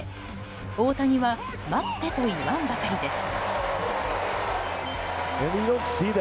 大谷は待ってと言わんばかりです。